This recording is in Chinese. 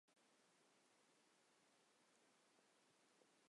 桑迪亚是位于美国加利福尼亚州因皮里尔县的一个非建制地区。